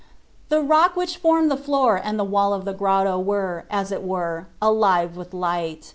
The rock which formed the floor and the wall of the grotto were, as it were, alive with light.